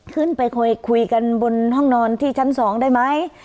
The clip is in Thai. ขึ้นไปคุยกันบนห้องนอนที่ชั้น๒ได้ไหม